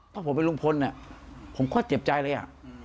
ถ้าผมเป็นลุงพลผมก็เจ็บใจเลยอ่ะ